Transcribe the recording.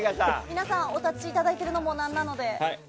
皆さんお立ちいただいているのも何なので。